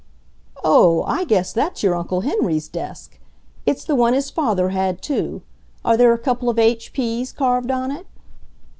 "Oh, I guess that's your Uncle Henry's desk. It's the one his father had, too. Are there a couple of H. P.'s carved on it?"